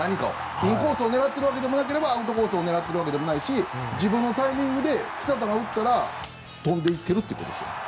インコースを狙ってるわけでもなければアウトコースを狙ってるわけでもないし自分のタイミングで来た球を打ったら飛んで行ってるってことです。